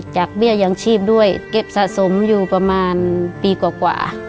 จากเบี้ยอย่างชีพด้วยเก็บสะสมอยู่ประมาณปีกว่ากว่า